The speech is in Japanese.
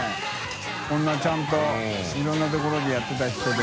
海鵑ちゃんといろんなところでやってた人で。